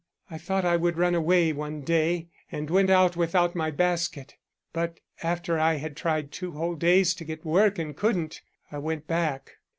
I thought I would run away one day, and went out without my basket, but after I had tried two whole days to get work and couldn't, I went back.